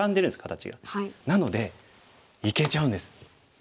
なのでいけちゃうんです。